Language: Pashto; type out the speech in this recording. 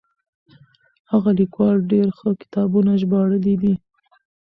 هغه ليکوال ډېر ښه کتابونه ژباړلي دي.